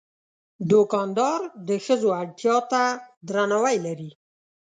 دوکاندار د ښځو اړتیا ته درناوی لري.